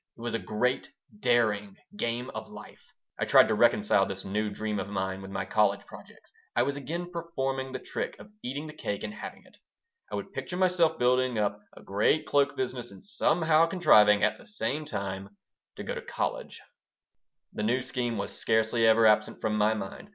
It was a great, daring game of life I tried to reconcile this new dream of mine with my college projects. I was again performing the trick of eating the cake and having it. I would picture myself building up a great cloak business and somehow contriving, at the same time, to go to college The new scheme was scarcely ever absent from my mind.